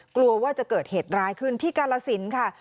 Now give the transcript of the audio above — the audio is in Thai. กลัวว่าจะเกิดเหตุร้ายขึ้นที่กาลสินค่ะ